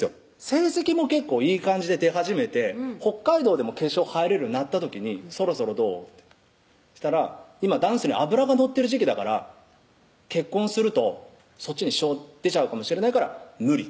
成績も結構いい感じで出始めて北海道でも決勝入れるようになった時に「そろそろどう？」ってしたら「今ダンスに脂が乗ってる時期だから結婚するとそっちに支障出ちゃうかもしれないから無理」